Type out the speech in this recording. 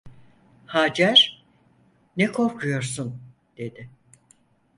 Hacer: "Ne korkuyorsun?" dedi.